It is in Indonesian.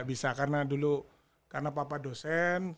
bisa karena dulu karena papa dosen